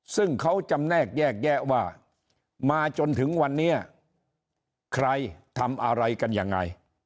ซึ่งเขาจำแนกแยกแยะว่ามาจนถึงวันนี้ใครทำอะไรกันยังไง